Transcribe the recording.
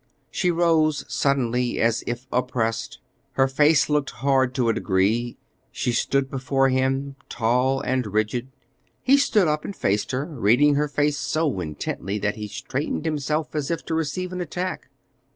She rose suddenly as if oppressed. Her face looked hard to a degree. She stood before him, tall and rigid. He stood up and faced her, reading her face so intently that he straightened himself as if to receive an attack.